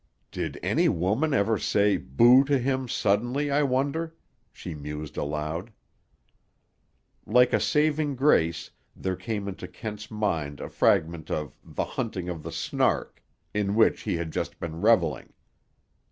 "Did any woman ever say 'Boo!' to him suddenly, I wonder?" she mused aloud. Like a saving grace, there came into Kent's mind a fragment of The Hunting of the Snark, in which he had just been reveling.